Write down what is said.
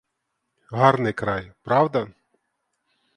Гарний край, — правда?